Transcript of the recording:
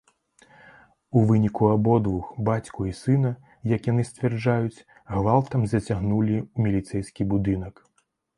У выніку абодвух бацьку і сына, як яны сцвярджаюць, гвалтам зацягнулі ў міліцэйскі будынак.